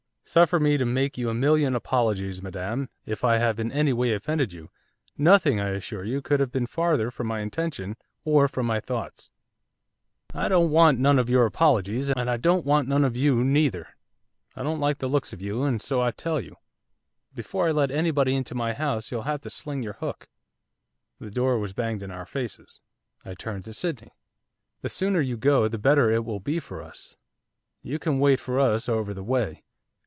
'Suffer me to make you a million apologies, madam, if I have in any way offended you; nothing, I assure you, could have been farther from my intention, or from my thoughts.' 'I don't want none of your apologies, and I don't want none of you neither; I don't like the looks of you, and so I tell you. Before I let anybody into my house you'll have to sling your hook.' The door was banged in our faces. I turned to Sydney. 'The sooner you go the better it will be for us. You can wait for us over the way.